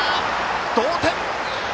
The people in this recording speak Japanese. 同点！